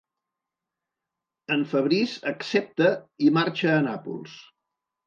En Fabrice accepta i marxa a Nàpols.